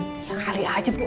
sekali aja bu